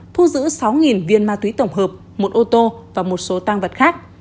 thu giữ sáu viên ma túy tổng hợp một ô tô và một số tăng vật khác